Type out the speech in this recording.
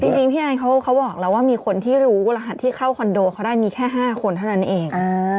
จริงพี่แอนเขาบอกแล้วว่ามีคนที่รู้รหัสที่เข้าคอนโดเขาได้มีแค่๕คนเท่านั้นเอง